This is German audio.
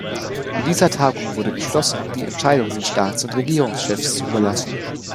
In dieser Tagung wurde beschlossen, die Entscheidung den Staats- und Regierungschefs zu überlassen.